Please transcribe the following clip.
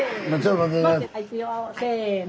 せの。